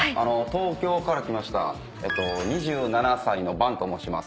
東京から来ました２７歳の伴と申します。